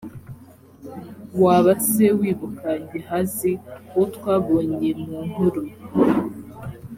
waba se wibuka gehazi uwo twabonye mu nkuru